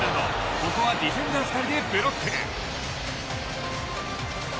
ここはディフェンダー２人でブロック。